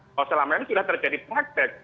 kalau selama ini sudah terjadi praktek